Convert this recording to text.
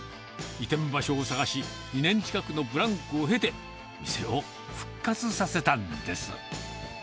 移転場所を探し、２年近くのブランクを経て、店を復活させたんです。